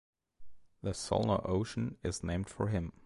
The Solnor Ocean is named for him.